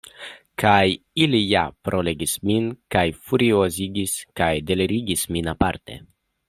Kaj ili ja ploregis min kaj furiozigis kaj delirigis min, aparte.